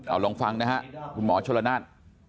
เอาลองฟังนะครับคุณหมอชะละนาท